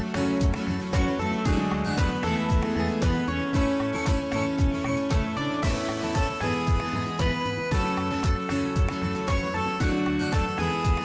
สวัสดีครับ